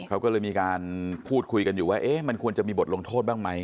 เขาก็เลยมีการพูดคุยกันอยู่ว่ามันควรจะมีบทลงโทษบ้างไหม